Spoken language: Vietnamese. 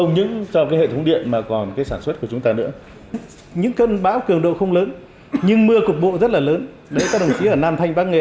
những cơn bão cường độ không lớn nhưng mưa cực bộ rất là lớn đấy các đồng chí ở nam thanh bắc nghệ